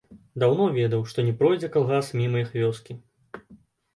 Даўно ведаў, што не пройдзе калгас міма іх вёскі.